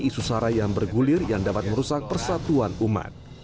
isu sara yang bergulir yang dapat merusak persatuan umat